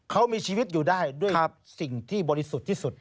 เขามีชีวิตอยู่ได้ด้วยสิ่งที่บริสุทธิ์ที่สุด